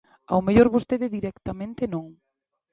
Ao mellor vostede directamente non.